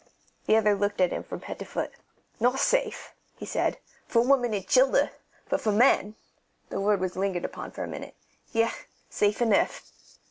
The other looked at him from head to foot. "Not safe," he said, "for women and childer; but for men" the word was lingered upon for a moment "yes, safe enough."